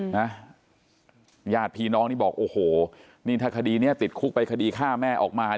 ญาติพี่น้องนี่บอกโอ้โหนี่ถ้าคดีนี้ติดคุกไปคดีฆ่าแม่ออกมา